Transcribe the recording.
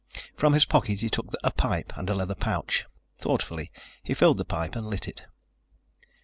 From his pocket he took a pipe and a leather pouch. Thoughtfully he filled the pipe and lit it.